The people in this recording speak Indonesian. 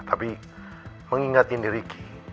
tapi mengingatkan riki